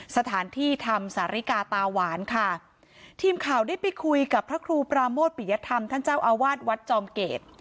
สถานที่ธรรมสาริกาตาหวานค่ะทีมข่าวได้ไปคุยกับพระครูปราโมทปิยธรรมท่านเจ้าอาวาสวัดจอมเกต